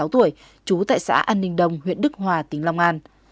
ba mươi sáu tuổi chú tại xã an ninh đông huyện đức hòa tỉnh long an